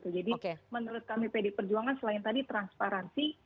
jadi menurut kami pd perjuangan selain tadi transparansi